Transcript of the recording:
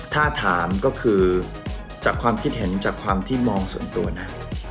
ถ้าถามก็คือจากความคิดเห็นจากความที่มองส่วนตัวนะ